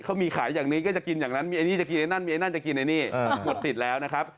เขามีขายอย่างนี้ก็จะกินอย่างนั้นมีจะกินไอในน่นหมดติดแล้วนะครับ